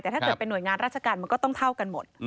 แต่ถ้าเกิดเป็นหน่วยงานราชการมันก็ต้องเท่ากันหมด